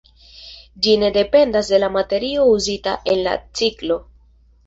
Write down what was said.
Ĝi ne dependas de la materio uzita en la ciklo.